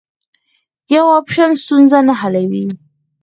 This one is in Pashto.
یو اپشن ستونزه نه حلوي.